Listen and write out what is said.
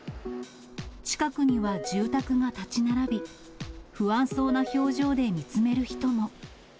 近くには住宅が建ち並び、不安そうな表情で見つめる人も。